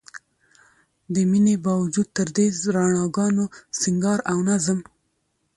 د مينې باوجود تر دې رڼاګانو، سينګار او نظم